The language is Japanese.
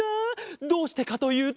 どうしてかというと。